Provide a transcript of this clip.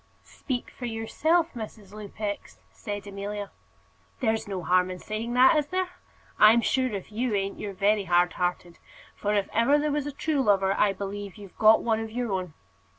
"Speak for yourself, Mrs. Lupex," said Amelia. "There's no harm in saying that, is there? I'm sure, if you ain't, you're very hard hearted; for, if ever there was a true lover, I believe you've got one of your own.